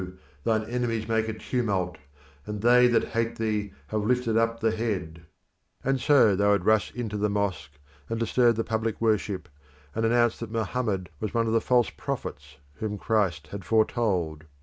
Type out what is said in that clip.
thine enemies make a tumult, and they that hate thee have lifted up the head"; and so they would rush into the mosque, and disturb the public worship, and announce that Mohammed was one of the false prophets whom Christ had foretold.